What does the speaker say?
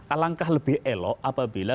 alangkah lebih elok apabila